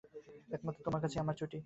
একমাত্র তোমার কাছেই আমার ছুটি।